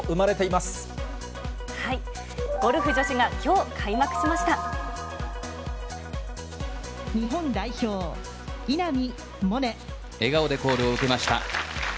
ゴルフ女子がきょう開幕しま日本代表、笑顔でコールを受けました。